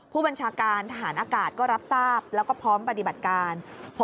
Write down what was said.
ผู้บัญชาการทหารอากาศก็รับทราบแล้วก็พร้อมปฏิบัติการ